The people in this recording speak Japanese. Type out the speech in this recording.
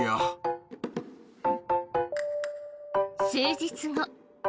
数日後。